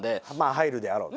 入るであろうと。